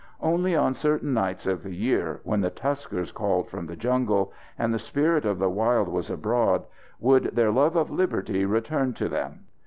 Only on certain nights of the year, when the tuskers called from the jungles, and the spirit of the wild was abroad, would their love of liberty return to them.